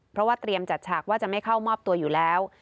เพราะว่าเตรียมจัดฉากว่าจะไม่เข้ามอบตัวอยู่แล้ว